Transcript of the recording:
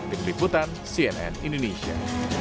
dikliputan cnn indonesia